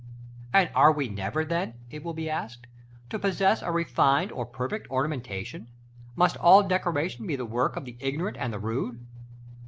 § L. And are we never, then, it will be asked, to possess a refined or perfect ornamentation? Must all decoration be the work of the ignorant and the rude?